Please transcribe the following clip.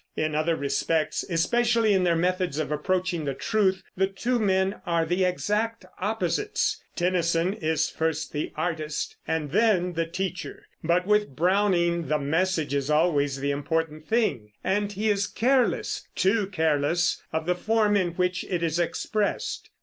In other respects, especially in their methods of approaching the truth, the two men are the exact opposites. Tennyson is first the artist and then the teacher; but with Browning the message is always the important thing, and he is careless, too careless, of the form in which it is expressed.